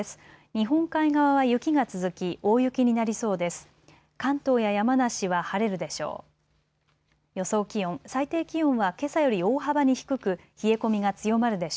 日本海側は雪が続き大雪になりそうです。